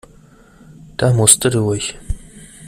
Da musste durch.